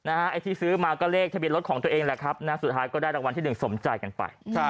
ไอ้ที่ซื้อมาก็เลขทะเบียนรถของตัวเองแหละครับสุดท้ายก็ได้รางวัลที่๑สมใจกันไป